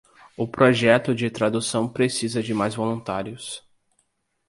O projeto de tradução precisa de mais voluntários.